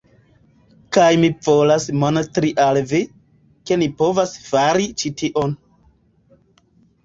Kaj mi volas montri al vi, ke ni povas fari ĉi tion.